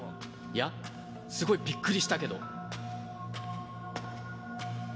いやすごいびっくりしたけど。